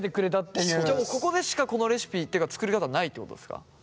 ここでしかこのレシピっていうか作り方ないってことですか？